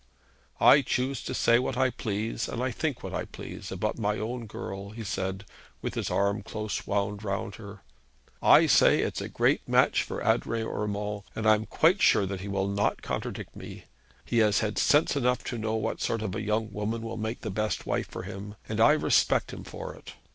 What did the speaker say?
'I choose to say what I please, and think what I please, about my own girl,' he said, with his arm close wound round her. 'I say it's a great match for Adrian Urmand, and I am quite sure that he will not contradict me. He has had sense enough to know what sort of a young woman will make the best wife for him, and I respect him for it.